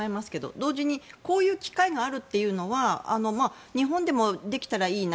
同時にこういう機会があるのは日本でもできたらいいな。